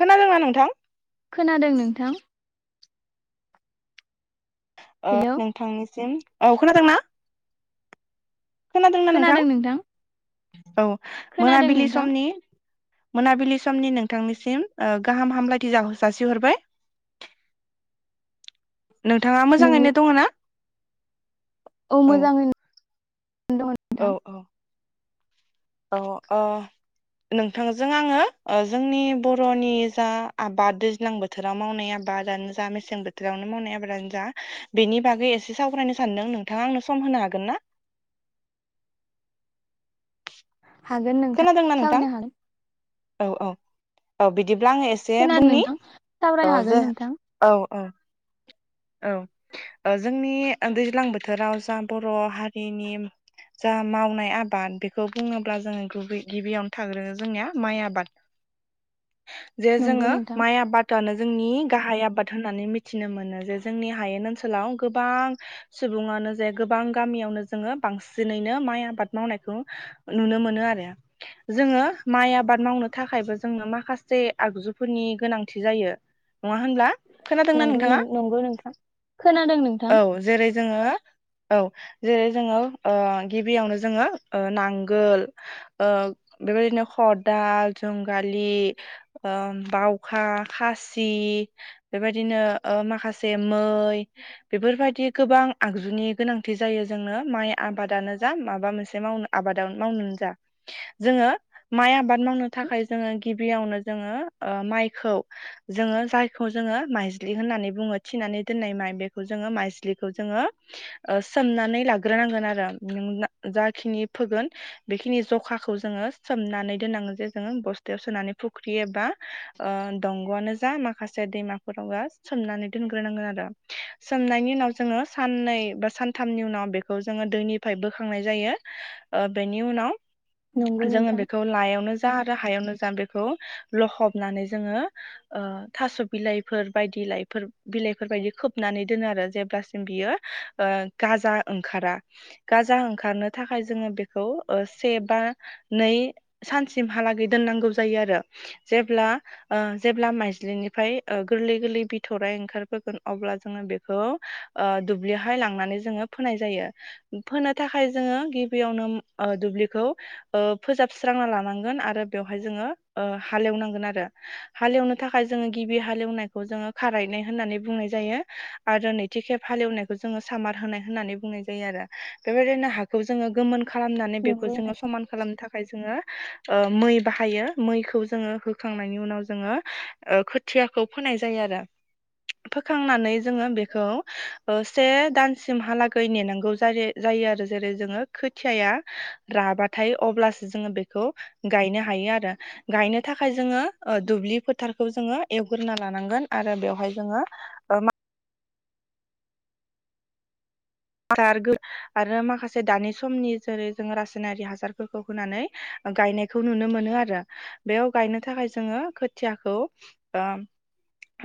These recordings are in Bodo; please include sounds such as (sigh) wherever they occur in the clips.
खोनादोंना नोंथां? खोनादों नोंथां। अ हेलौ नोंथांनिसिम औ खोनादोंना? खोनादोंना नोंथां? खोनादों मोनाबिलि नोंथां समनि नोंथांनिसिम ओ गाहाम हामलायथि जाहो जासिहरबाय नोंथाङा नोंनि मोजाङैनो दङ ना? औ मोजाङैनो (unintelligible) दङ नोंथां। अ नोंथांजों आङो ओ जोंनि बरनि जा आबाद दैज्लां बोथोराव मावनाय आबादानो जा मेसें बोथोरावनो मावनाय आबादानो जा बेनि बागै एसे सावरायनो सानदों नोंथाङा आंनो सम होनो हागोन ना? हागोन नोंथां खोनादोंना नोंथां साबायनो हागोन। औ औ औ बि दिब्ला आङो एसे खोनादों बुंनि नोंथां सावरायनो हागोन नोंथां ओ अ औ ओ जोंनि दैज्लां बोथोराव जा बर हारिनि जा मावनाय आबाद बेखौ बुङोब्ला जोङो गुबै गिबियावनो थाग्रोगोन जोंनिया माइ आबाद। जे नंगौ जोङो नोंथां माइ आबादआनो जोंनि गाहाय आबाद होननानै मिथिनो मोनो जे जोंनि हायेन ओनसोलाव गोबां सुबुङानो जे गोबां गामियावनो जोङो बांसिनैनो माइ आबाद मावनायखौ नुनो मोनो आरो जोङो माइ आबाद मावनो थाखायबो जोंनो माखासे आगजुफोरनि गोनांथि जायो। नङा होनब्ला खोनादोंना नंगौ नोंथाङा? नंगौ नोंथां खोनादों नोंथां औ जेरै जोङो औ। जेरै जोङो ओ गिबियावनो जोङो ओ नांगोल ओ बेबायदिनो खदाल जुंगालि ओ बावखा खासि बेबायदिनो ओ माखासे। जे मै बेफोरबायदि गोबां आगजुनि गोनांथि जायो जोंनो माइ आबादानो जा माबा मोनसे मावनो आबादाव मावनो जा जोङो माइ आबाद मावनो थाखाय जोङो गिबियावनो जोङो ओ माइखौ जोङो जायखौ जोङो माइज्लि होननानै बुङो। थिनानै दोननाय माइ बेखौ जोङो माइज्लिखौ जोङो ओ सोमनानै लाग्रोनांगोन आरो जाखिनि फोगोन बेखिनि जखाखौ जोङो सोमनानै दोननांगोन जे जोङो बस्थायाव सोनानै फुख्रि एबा ओ दंगआनो जा माखासे दैमाफोराव जा सोमनानै दोनग्रोनांगोन आरो सोमनायनि उनाव जोङो साननै बा सानथामनि उनाव बेखौ जोङो दैनिफ्राय बोखांनाय जायो ओ बेनि उनाव नंगौ जोङो नोंथां बेखौ लायावनो जा आरो हायावनो जा बेखौ लखबनानै जोङो ओ थास' बिलाइफोर बायदि लाइफोर बिलाइफोर बायदि खोबनानै दोनो आरो जेब्लासिम बियो ओ गाजा ओंखारा गाजा ओंखारनो थाखाय जोङो बेखौ ओ से बा नै सानसिमहालागै दोननांगौ जायो आरो जेब्ला ओ जेब्ला माइज्लिनिफ्राय ओ गोरलै गोरलै बिथ'राय ओं ओंखारबोगोन अब्ला जोङो बेखौ ओ दुब्लियावहाय लांनानै जोङो फोनाय जायो फोनो थाखाय जोङो गिबियावनो ओ दुब्लिखौ फोजाबस्रांना लानांगोन आरो बेवहाय जोङो ओ हालेवनांगोन आरो हालेवनो थाखाय जोङो गिबि हालेवनायखौ जोङो खारायनाय होननानै बुंनाय जायो आरो नैथि खेब हालेवनायखौ जोङो सामार होनाय होननानै बुंनाय जायो आरो बेबायदिनो हाखौ जोङो गोमोन खालामनानै बेखौ नंगौ जोङो समान खालामनो थाखाय जोङो ओ मै बाहायो मैखौ जोङो होखांनायनि उनाव जोङो ओ खोथियाखौ फोनाय जायो आरो। फोखांनानै जोङो बेखौ ओ से दानसिमहालागै नेनांगौ जायो जायो आरो जेरै जोङो खोथियाया राबाथाय अब्लासो जोङो बेखौ गायनो हायो आरो गायनो थाखाय जोङो दुब्लि फोथारखौ जोङो एवग्रोना लानांगोन आरो बेवहाय जोङो ओ मा हासार आरो माखासे दानि समनि जेरै जोङो रासायनारि हासारफोरखौ होनानै गायनायखौ नुनो मोनो आरो बेयाव गायनो थाखाय जोङो खोथियाखौ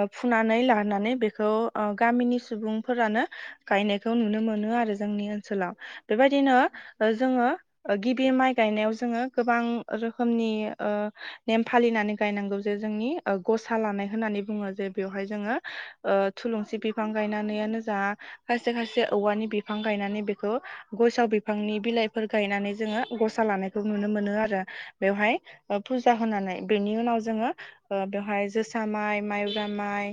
ओ फुनानै लाोनानै बेखौ गामिनि सुबुंफोरानो गायनायखौ नुनो मोनो आरो जोंनि ओनोलाव बेबायदिनो जोङो गिबि माइ गायनायाव जोङो गोबां रोखोमनि ओ नेम फालिनानै गायनांगौ जे जोंनि गसा लानाय होननानै बुङो जे बेवहाय जोङो ओ थुलुंसि बिफां गायनानैयानो जा खायसे खायसे औवानि बिफां गायनानै बेखौ गयसाव बिफांनि बिलाइफोर गायनानै जोङो गसा लानायखौ नुनो मोनो आरो बेवहाय फुजा होनानै बेनि उनाव जोङो बेवहाय जोसा माइ माइब्रा माइ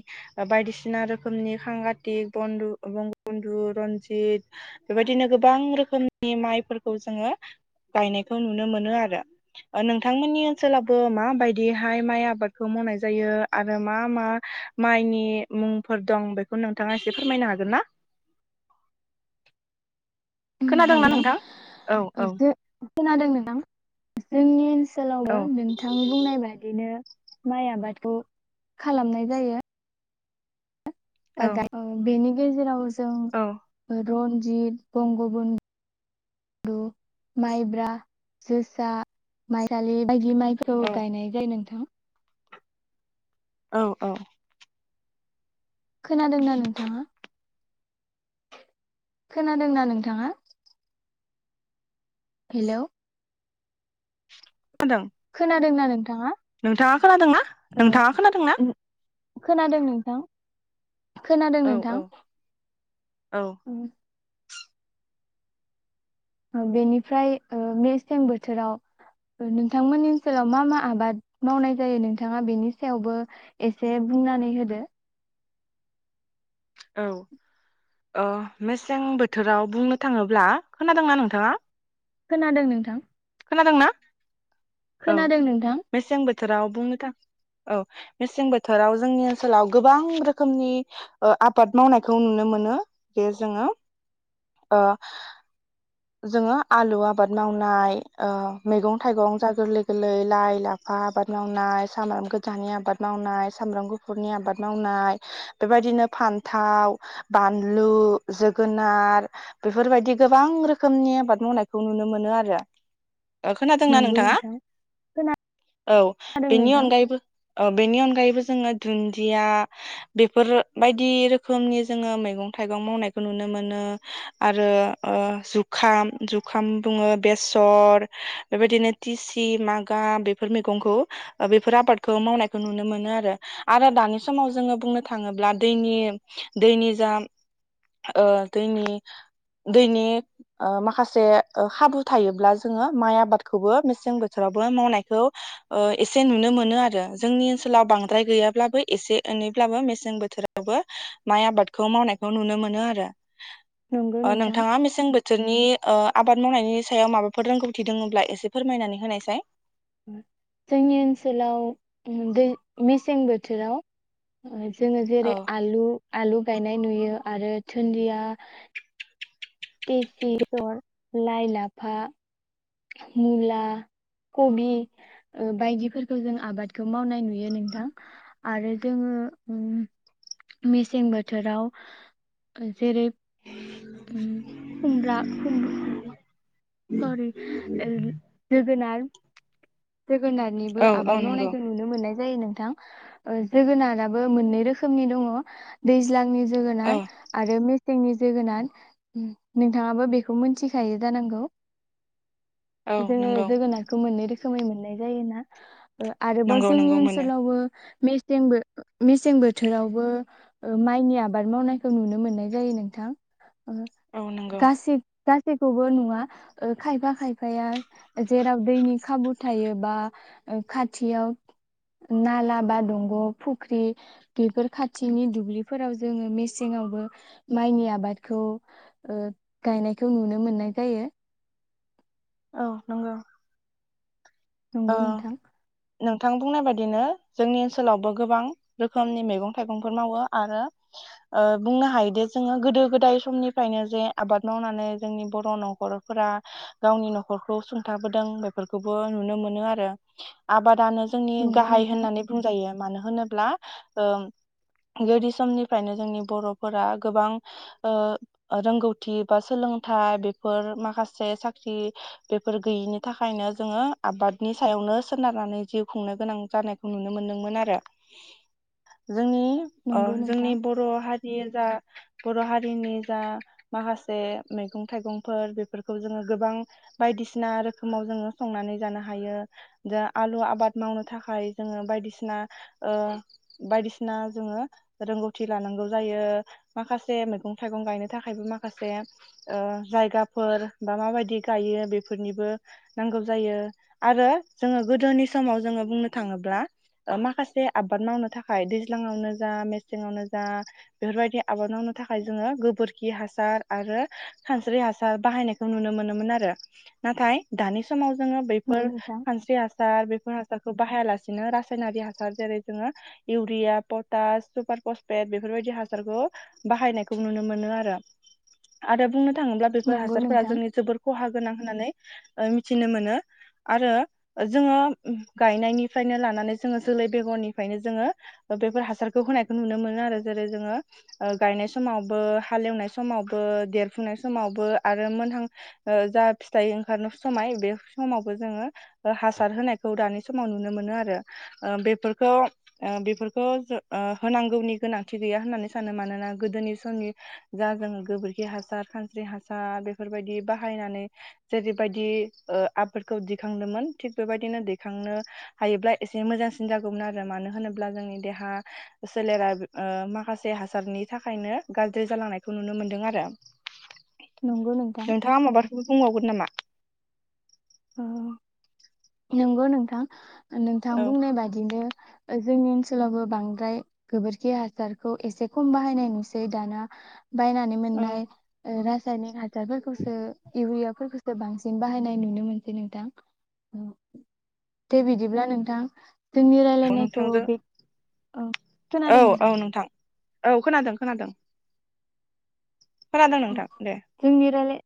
बायदिसिना रोखोमनि खांगातिक बन्दु-बन्दुद रनजित बेबायदिनो गोबां रोखोमनि माइफोरखौ जोङो गायनायखौ नुनो मोनो आरो नोंथांमोननि ओनसोलावबो मा बायदिहाय माइ आबादखौ मावनाय जायो आरो मा मा माइनि मुंफोर दं बेखौ नोंथाङा एसे फोरमायनो हागोन ना? नोंथां खोनादोंना हागोन नोंथां? औ औ। खोनादों नोथां जोंनि ओन सोलावबो औ नोंथां बुंनाय बादिनो माइ आबादखौ खालामनाय जायो। औ (unintelligible) बेनि गेजेराव जों औ रनजित बं गुबुन (unintelligible) माइब्रा जोसा माइसालि बायदि माइखौ औ गायनाय जायो नोंथां। औ औ। खोनादों ना नोंथाङा? खोनादोंना नोंथाङा? हेलौ खोनादों खोनादोंना नोंथां? नोंथाङा खोनादोंना, नोंथाङा खोनादों ना? खोनादों नोंथां। खोनादों औ नोंथां। औ औ उम बेनिफ्राय ओ मेसें ओ बोथोराव नोंथांमोननि ओनसोलाव मा मा आबाद मावनाय जायो नोंथाङा बेनि सायावबो एसे बुंनानै होदो औ ओ मेसें बोथोराव बुंनो थाङोब्ला खोनादोंना नोंथाङा खोनादों नोंथां खोनादोंना औ खोनादों नोंथां मेसें बोथोराव बुंनो थां औ मेसें बोथोराव जोंनि ओनसोलाव गोबां रोखोमनि ओ आबाद मावनायखौ नुनो मोनो बे जोङो ओ जोङो आलु आबाद मावनाय ओ मैगं थाइगं जा गोरलै गोरलै लाइ लाफा आबाद मावनाय सामब्राम गोजानि आबाद मावनाय सामब्राम गुफुरनि आबाद मावनाय बेबायदिनो फान्थाव बानलु जोगोनार बेफोरबायदि गोबां रोख खोमनि आबाद मावनायखौ नुनो मोनो आरो ओ खोनादोंना नंगौ नोंथाङा नोंथां औ खोनादों बेनि नोंथां अनगायैबो ओ बेनि अनगायैबो जोङो दुुनदिया बेफोर बायदि रोखोमनि जोङो मैगं थाइगं मावनायखौ नुनो मोनो आरो ओ जु जुखाम जुखाम बुङो बेसर बेबायदिनो टिसि मागा बेफोर मैगंखौ बेफोर आबादखौ मावनायखौ नुनो मोनो आरो आरो दानि समाव जोङो बुंनो थाङोब्ला दैनि दैनि जा ओ दैनि दैनि ओ माखासे खाबु थायोब्ला जोङो माइ आबादखौबो मेसें बोथोरावबो मावनायखौ ओ एसे नुनो मोनो आरो जोंनि ओनसोलाव बांद्राय गैयाब्लाबो एसे एनैब्लाबो मेसें बोथोरावबो माइ आबादखौ मावनायखौ नुनो मोनो आरो नंगौ ओ नोंथां नोंथाङा मेसें बो बे ओ आबाद मावनायनि सायाव माबाफोर रोंगौथि दङब्ला एसे फोरमायनानै होनायसाय जोंनि ओनसोलाव ओ दै मेसें बोथोराव ओ जोङो जेरै औ आलु आलु गायनाय नुयो आरो थुन्दिया बेसि जर लाइ लाफा मुला कबि बायदिफोरखौ जों आबादखौ मावनाय नुयो नोंथां आरो जोङो ओ मेसें बोथोराव जेरै ओ खुमब्रा खुमब- सरि ओ जोगोनाथ जोगोनारनिबो औ आबाद औ नंगौ मावनायखौ नुनो मोननाय जायो नो थां जोगोनाराबो मोननै रोखोमनि दङ दैज्लांनि जो औ जोगोनार आरो मेसेंनि जोगोनार नोंथाङाबो बेखौ मोनथिखायो जानांगौ औ जोङो नंगौ जोगोनारखौ मोननै रोख खोमै मोननाय जायोना ओ आरोबाव नंगौ जोंनि नंगौ मोनो ओनसोलावबो मेसें बो मेसें बोथोरावबो ओ माइनि आबाद मावनायखौ नुनो मोननाय जायो नोंथां ओ औ नंगौ गासि गासैखौबो नुवा ओ खायफा खायफाया जेराव दैनि खाबु थायोबा खाथियाव नाला बा दंग' फुख्रि बेफोर खाथिनि दुब्लिफोराव जोङो मेसेंआवबो माइनि आबादखौ ओ गायनायखौ नुनो मोननाय जायो औ नंगौ नंगौ ओ नोंथां नोंथां बुंनाय बायदिनो जोंनि ओनसोलावबो गोबां रोखोमनि मैगं थाइगंफोर मावो आरो ओ बुंनो हायोदि जोङो गोदो गोदाय समनिफ्रायनो जे आबाद मावनानै जोंनि बर' नखरफोरा गावनि नखरखौ सुंथाबोदों बेफोरखौबो नुनो मोनो नो आरो आबादानो जोंनि नंगौ गाहाय नोंथां होननानै बुंजायो मानो होनो (unintelligible) ओ गोदोनि समनिफ्रायनो जोंनि बर'फोरा गोबां ओ रोंगौथि बा सोलोंथाइ बेफोर माखासे साख्रि बेफोर गैयिनि थाखायनो जोङो आबाद नि सायावनो सोनारनानै जिउ खुंनो गोनां जानायखौ नुनो मोनदोंमोन आरो। जोंनि ओ नंगौ जोंनि नोंथां बर' हारिया जा बर' हारिनि जा माखासे मैगं थाइगंफोर बेफोरखौ जोङो गोबां बायदिसिना रोखोमाव जोङो संनानै जानो हा हायो दा आलु आबाद मावनो थाखाय जोङो बायदिसिना ओ बायदिसिना जोङो रोंगौथि लानांगौ जायो माखासे मैगं थाइगं गायनो थाखायबो माखासे ओ जायगाफोर बा माबायदि गायो बेफोरनिबो नांगौ जायो। आरो जोङो गोदोनि समाव जोङो बुंनो थाङोब्ला ओ माखासे आबाद मावनो थाखाय दैज्लाङावनो जा मेसेङावनो जा बेफोरबायदि आबाद मावनो थाखाय जोङो गोबोरखि हासार आरो खानस्रि हासार बाहायनायखौ नुनो मोनोमोन आरो नाथाय दानि समाव जोङो बे फोर‌ नंगौ बे नोंथां खानस्रि हासार बेफोर खौ बाहायालासिनो रासयनारि हासार जेरै जोङो इउरिया, पटास, सुपार फसफेट बेफोरबायदि हासारखौ बाहायनायखौ नुनो मोनो आरो आरो बुंनो बुंनो थाङोब्ला बेफोर नंगौ हासारफोरा नोंथां जोंनि जोबोर खहा गोनां होननानै ओ मिथिनो मोनो। आरो जोङो गायनायनिफ्रायनो लानानै जोङो जोलै बेगरनिफ्रायनो जोङो बेफोर हासारखौ होनायखौ नुनो मोनो आरो जेरै जोङो ओ गायनाय समावबो हालेवनाय समावबो देरफुंनाय समावबो आरो मोनहां ओ जा फिथाइ ओंखारनो समाय बे समाव जोङो हासार होनायखौ दानि समाव नुनो मोनो ओ बेफोरखौ बेफोरखौ ओ होनांगौनि गोनांथि गैया होननानै सानो मानोना गोदोनि समनि जा जों गोबोरखि हासार खानस्रि हासार बेफोरबायदि बाहायनानै जेरैबायदि ओ आब फोरखौ दिखांदोंमोन थिग बेबायदिनो दैखांनो हायोब्ला एसे मोजांसिन जागौमोन आरो मानो होनोब्ला जोंनि देहा सोलेरा ओ माखासे हासारनि थाखायनो गाज्रि जालांनायखौ नुनो मोनदों आरो। नंगौ नोंथां नोंथाङा माबाफोर खौबो बुंबावगोन नामा? औ नंगौ नोंथां। नोंथां औ बुंनाय बायदिनो ओ जोंनि ओनसोलावबो बांद्राय गोबोरखि हासारखौ एसे खम बाहायनाय नुसै दाना। बायनानै औ मोननाय ओ रासाय (unintelligible) (unintelligible) फोरखौसो बांसिन बाहायनाय नुनो मोनो। नोंथां दे बिदिब्ला नोंथां। जोंनि रायलायनायखौ नोंथांजों बे औ औ खोनादों औ नोंथां। औ खोनादों खोनादों। खोनादों नोंथां दे जोंनि रायलाय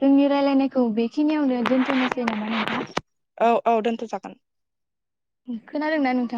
जोंनि रायलायनाय औ बेखिनियावनो दोन्थ'नोसै नामा नोंथां? औ औ दोनथ' जागोन खोनादोंना नोंथाङा?